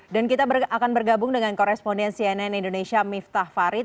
dan kita akan bergabung dengan korespondensi nn indonesia miftah farid